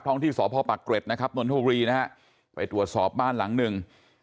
ที่สพปักเกร็ดนะครับนนทบุรีนะฮะไปตรวจสอบบ้านหลังหนึ่ง